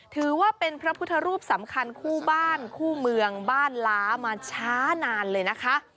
ถือว่าเป็นพระพุทธรูปสำคัญคู่บ้านคู่เมืองบ้านล้ามาช้านานเลยนะคะ